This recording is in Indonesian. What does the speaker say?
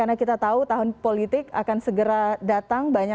karena kita tahu tahun politik akan segera datang bagaimana cara anda melakukan